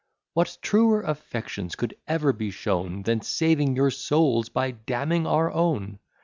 What truer affections could ever be shown, Than saving your souls by damning our own?